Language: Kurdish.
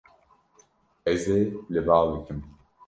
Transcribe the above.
Ez ê li ba bikim.